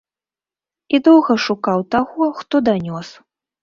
І доўга шукаў таго, хто данёс.